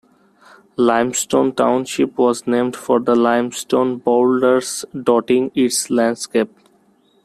Limestone Township was named for the limestone boulders dotting its landscape.